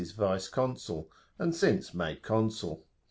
's Vice Consul, and since made Consul.